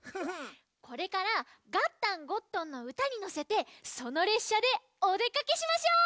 これから「ガッタン＆ゴットン」のうたにのせてそのれっしゃでおでかけしましょう！